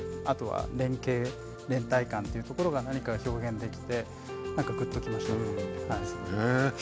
あとは連携、連帯感というところが何か表現できてなんかぐっと来ましたね。